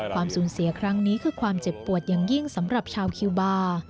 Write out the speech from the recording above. ความสูญเสียครั้งนี้คือความเจ็บปวดอย่างยิ่งสำหรับชาวคิวบาร์